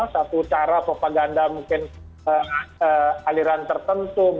satu cara propaganda mungkin aliran tertentu